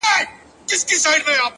دا دی د ژوند و آخري نفس ته ودرېدم!!